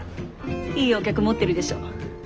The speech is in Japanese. いいお客持ってるでしょ。